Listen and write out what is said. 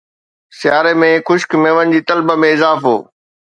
سياري ۾ خشڪ ميون جي طلب ۾ اضافو